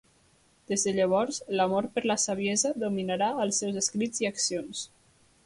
Des de llavors, l'amor per la saviesa dominarà els seus escrits i accions.